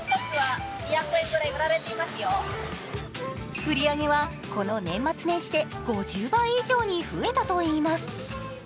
売り上げは、この年末年始で５０倍以上に増えたといいます。